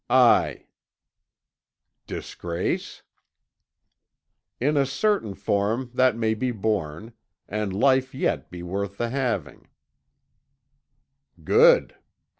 "Aye." "Disgrace?" "In a certain form that may be borne, and life yet be worth the having." "Good.